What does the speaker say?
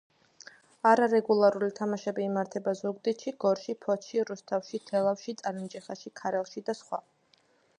არარეგულარული თამაშები იმართება ზუგდიდში, გორში, ფოთში, რუსთავში, თელავში, წალენჯიხაში, ქარელში და სხვა.